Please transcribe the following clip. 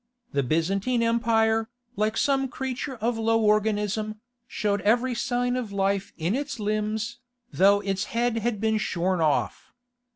The Byzantine Empire, like some creature of low organism, showed every sign of life in its limbs, though its head had been shorn off.